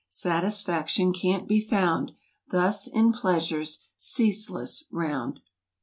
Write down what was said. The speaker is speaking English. Satisfaction can't be found Thus, in pleasure's ceaseless round.